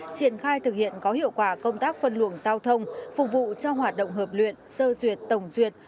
triển khai thực hiện có hiệu quả công tác phân luồng giao thông phục vụ cho hoạt động hợp luyện sơ duyệt tổng duyệt